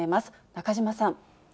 中島さん。